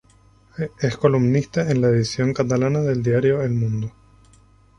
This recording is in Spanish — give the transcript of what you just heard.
Es columnista en la edición catalana del diario "El Mundo".